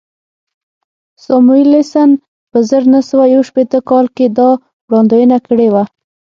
ساموېلسن په زر نه سوه یو شپېته کال کې دا وړاندوینه کړې وه